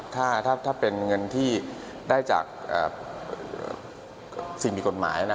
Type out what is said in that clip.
ถ้าเป็นเงินที่ได้จากสิ่งมีกฎหมายนะ